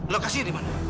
lokasinya di mana